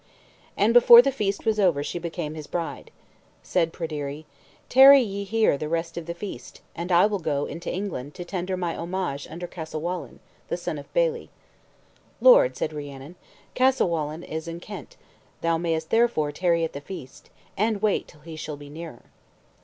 And before the feast was over she became his bride. Said Pryderi, "Tarry ye here the rest of the feast, and I will go into England to tender my homage unto Caswallawn, the son of Beli." "Lord," said Rhiannon, "Caswallawn is in Kent; thou mayest therefore tarry at the feast, and wait until he shall be nearer."